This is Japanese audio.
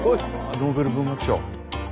ノーベル文学賞。